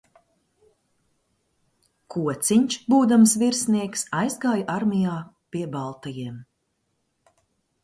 Kociņš, būdams virsnieks, aizgāja armijā pie baltajiem.